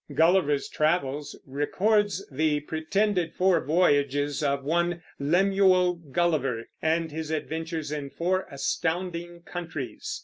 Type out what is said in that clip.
Gulliver's Travels records the pretended four voyages of one Lemuel Gulliver, and his adventures in four astounding countries.